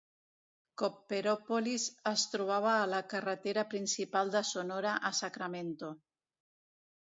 Copperopolis es trobava a la carretera principal de Sonora a Sacramento.